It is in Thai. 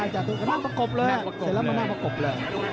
จัดตู้กันนั่งมากบเลย